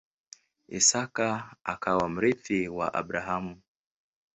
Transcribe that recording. Isaka akawa mrithi wa Abrahamu.